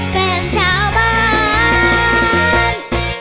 แฟนเช้าบ้าน